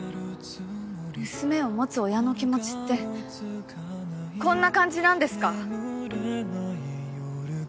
娘を持つ親の気持ちってこんな感じなんですか？